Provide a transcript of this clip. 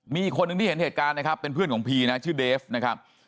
มีอีกคนนึงที่เห็นเหตุการณ์นะครับเป็นเพื่อนของพีนะชื่อเดฟนะครับ